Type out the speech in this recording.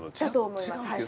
だと思います。